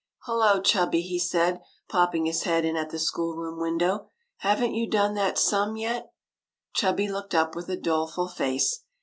" Hullo, Chubby !" he said, popping his head in at the schoolroom window. '' Have n't you done that sum yet ?" Chubby looked up with a doleful face.